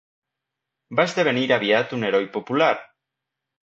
Va esdevenir aviat un heroi popular.